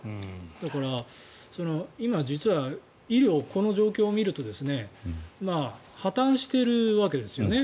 だから、今、実は医療この状況を見ると破たんしているわけですよね。